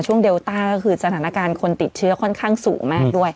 อย่างเดลต้าก็คือสถานการณ์คนติดเชื้อค่อนข้างสูงแม่น